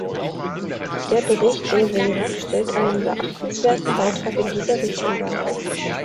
Der Bericht de Veyrac stellt einen beachtenswerten Beitrag in dieser Richtung dar.